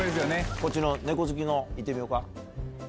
こっちの猫好きいってみようか。